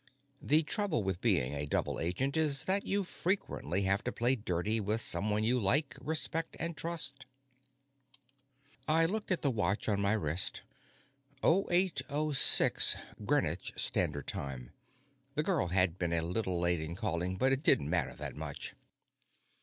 The trouble with being a double agent is that you frequently have to play dirty with someone you like, respect, and trust. I looked at the watch on my wrist. Oh eight oh six, Greenwich Standard Time. The girl had been a little late in calling, but it didn't matter that much.